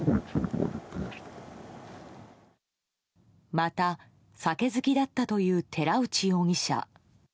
また、酒好きだったという寺内容疑者。